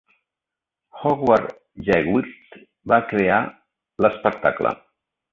Howard Gewirtz va crear l'espectacle.